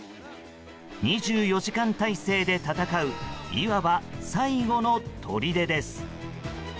２４時間態勢で戦ういわば最後のとりでです。